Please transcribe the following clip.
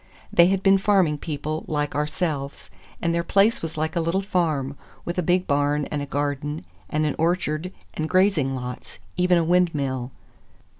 They had been farming people, like ourselves, and their place was like a little farm, with a big barn and a garden, and an orchard and grazing lots,—even a windmill.